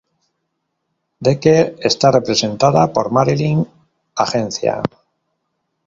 Decker está representada por Marilyn Agencia.